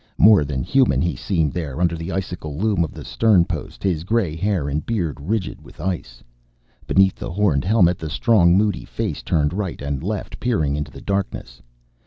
More than human he seemed, there under the icicle loom of the stern post, his gray hair and beard rigid with ice. Beneath the horned helmet, the strong moody face turned right and left, peering into the darkness.